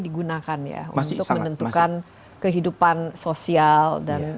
diperlukan ya masih sangat menentukan kehidupan sosial dan